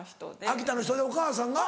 秋田の人でお母さんが？